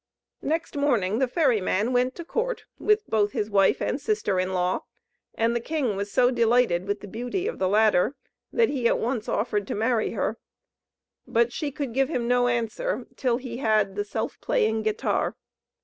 Next morning the ferry man went to court with both his wife and sister in law, and the king was so delighted with the beauty of the latter, that he at once offered to marry her. But she could give him no answer until he had the Self playing Guitar.